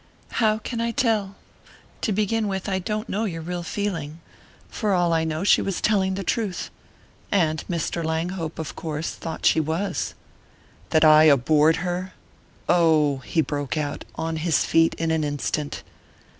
"How can I tell? To begin with, I don't know your real feeling. For all I know she was telling the truth and Mr. Langhope of course thought she was." "That I abhorred her? Oh " he broke out, on his feet in an instant.